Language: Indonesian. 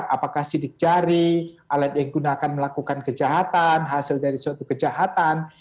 apakah sidik jari alat yang digunakan melakukan kejahatan hasil dari suatu kejahatan